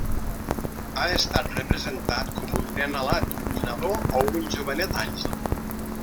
Ha estat representat com un nen alat, un nadó o un jovenet àngel.